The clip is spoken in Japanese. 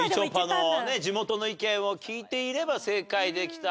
地元の意見を聞いていれば正解できた。